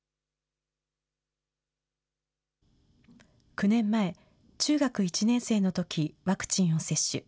９年前、中学１年生のとき、ワクチンを接種。